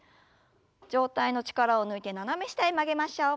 上体の力を抜いて斜め下へ曲げましょう。